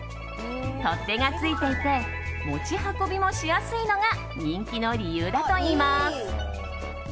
取っ手がついていて持ち運びもしやすいのが人気の理由だといいます。